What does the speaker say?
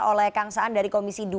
oleh kang saan dari komisi dua